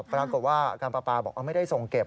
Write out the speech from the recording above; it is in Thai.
ปรากฏว่าการปลาปลาบอกไม่ได้ส่งเก็บ